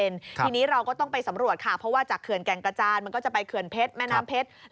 ทีนี้เราก็ต้องไปสำรวจค่ะเพราะว่าจากเขื่อนแก่งกระจานมันก็จะไปเขื่อนเพชรแม่น้ำเพชร